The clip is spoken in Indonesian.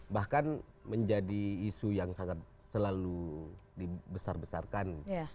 bahkan menjadi isu yang sangat selalu dibesar besarkan